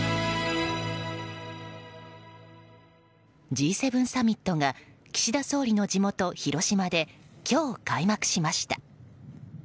Ｇ７サミットが岸田総理の地元・広島で今日、開幕しました。